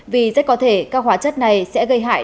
vì rất có thể các hóa chất này sẽ gây hại